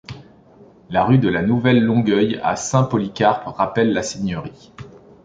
La rue de la Nouvelle-Longueuil à Saint-Polycarpe rappelle la seigneurie.